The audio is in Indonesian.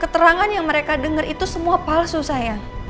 keterangan yang mereka denger itu semua palsu sayang